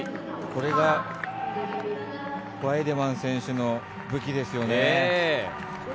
これがワイデマン選手の武器ですよね。